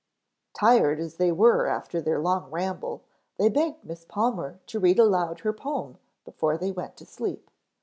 ] Tired as they were after their long ramble they begged Miss Palmer to read aloud her poem before they went to sleep.